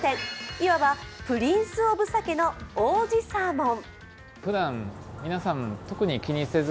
いわばプリンス・オブ・鮭の王子サーモン。